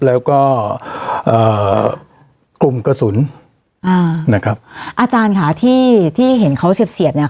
แล้วก็อ่ากลุ่มกระสุนอ่านะครับอาจารย์ค่ะที่ที่เห็นเขาเสียบเสียบเนี่ย